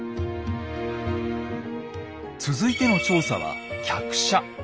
続いての調査は客車。